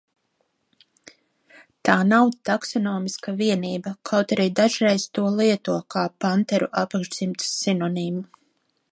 Tā nav taksonomiska vienība, kaut arī dažreiz to lieto kā panteru apakšdzimtas sinonīmu.